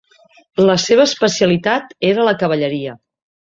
La seva especialitat era la cavalleria.